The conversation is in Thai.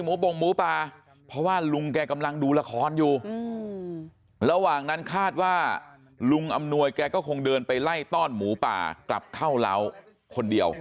บงหมูป่าเพราะว่าลุงแกกำลังดูละครอยู่ระหว่างนั้นคาดว่าลุงอำนวยแกก็คงเดินไปไล่ต้อนหมูป่ากลับเข้าเล้าคนเดียว